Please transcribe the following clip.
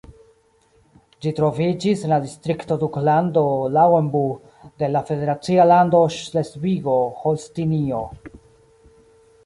Ĝi troviĝis en la distrikto Duklando Lauenburg de la federacia lando Ŝlesvigo-Holstinio.